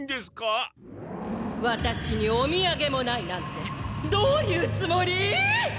ワタシにおみやげもないなんてどういうつもり！？